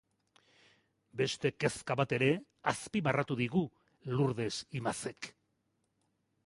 Beste kezka bat ere azpimarratu digu Lurdes Imazek.